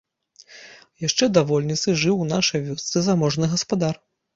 Яшчэ да вольніцы жыў у нашай вёсцы заможны гаспадар.